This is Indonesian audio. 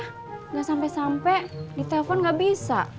tidak sampai sampai ditelepon nggak bisa